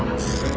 nạn nhân bị hạng